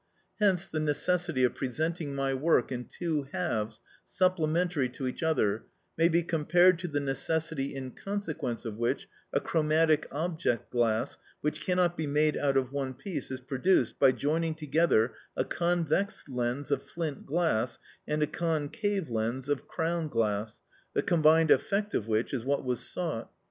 Hence the necessity of presenting my work in two halves supplementary to each other may be compared to the necessity in consequence of which a chromatic object glass, which cannot be made out of one piece, is produced by joining together a convex lens of flint glass and a concave lens of crown glass, the combined effect of which is what was sought.